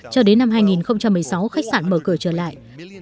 cho đến năm hai nghìn một mươi sáu khách sạn mở cửa trở lại